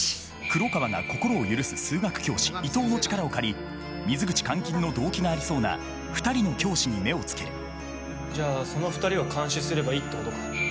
黒川が心を許す数学教師伊藤の力を借り水口監禁の動機がありそうな２人の教師に目をつけるじゃあその２人を監視すればいいってことか。